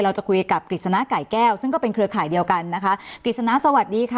เราจะคุยกับกฤษณะไก่แก้วซึ่งก็เป็นเครือข่ายเดียวกันนะคะกฤษณะสวัสดีค่ะ